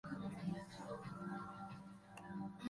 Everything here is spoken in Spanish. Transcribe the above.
En toda su obra predominan los temas amorosos.